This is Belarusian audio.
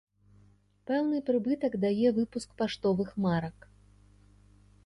Пэўны прыбытак дае выпуск паштовых марак.